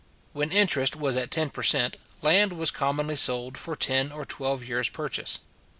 When interest was at ten per cent. land was commonly sold for ten or twelve years purchase.